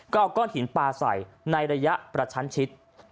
ก็เอาก้อนหินปลาใส่ในระยะประชันชิด